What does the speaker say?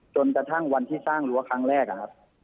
จนกระทั่งวันที่สร้างรั้วครั้งแรกอะครับ